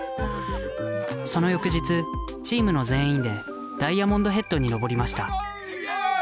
その翌日チームの全員でダイヤモンドヘッドに登りましたイエーイ！